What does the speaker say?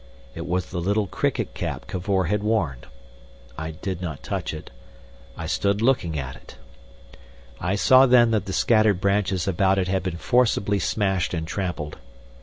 It was the little cricket cap Cavor had worn. I did not touch it, I stood looking at it. I saw then that the scattered branches about it had been forcibly smashed and trampled.